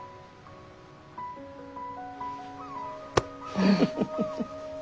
フフフフフ。